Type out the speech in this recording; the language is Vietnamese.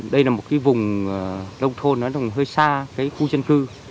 đây là một vùng lâu thôn hơi xa khu dân cư